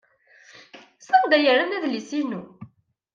Sanda ay rran adlis-inu?